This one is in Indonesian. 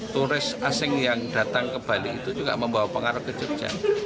turis asing yang datang ke bali itu juga membawa pengaruh ke jogja